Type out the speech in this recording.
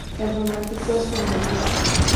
El románico es formalista.